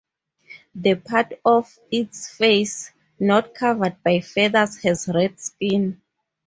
The part of its face not covered by feathers has red skin.